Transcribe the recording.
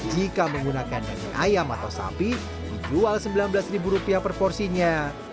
jika menggunakan daging ayam atau sapi dijual rp sembilan belas per porsinya